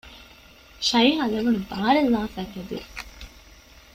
ޝައިހާ ލެވުނު ބާރެއްލައިފައި ތެދުވި